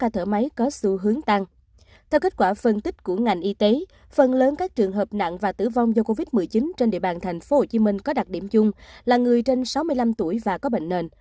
theo kết quả phân tích của ngành y tế phần lớn các trường hợp nặng và tử vong do covid một mươi chín trên địa bàn tp hcm có đặc điểm chung là người trên sáu mươi năm tuổi và có bệnh nền